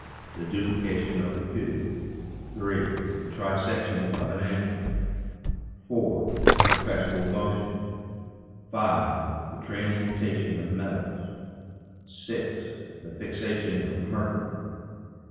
The Duplication of the Cube. 3. The Trisection of an Angle. 4. Perpetual Motion. 5. The Transmutation of the Metals. 6. The Fixation of Mercury.